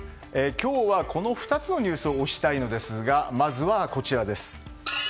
今日は、この２つのニュースを推したいのですがまずはこちら。